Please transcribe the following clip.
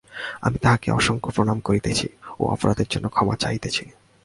আমি তাঁহাকে অসংখ্য প্রণাম করিতেছি ও অপরাধের জন্য ক্ষমা চাহিতেছি।